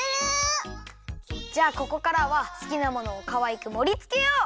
じゃあここからは好きなものをかわいくもりつけよう！